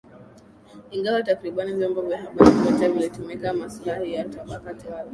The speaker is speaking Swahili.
ingawa takribani vyombo vya habari vyote vilitumikia maslahi ya tabaka tawala